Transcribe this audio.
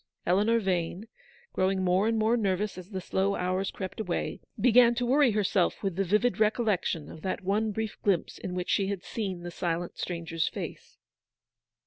Eleanor Vane, growing more and more nervous as the slow hours crept away, began to worry herself with the vivid recollection of that one brief glimpse in which she had seen the silent stranger's face.